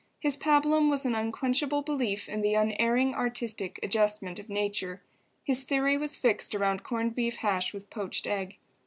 His pabulum was an unquenchable belief in the Unerring Artistic Adjustment of Nature. His theory was fixed around corned beef hash with poached egg.